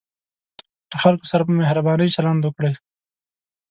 له خلکو سره په مهربانۍ چلند وکړئ.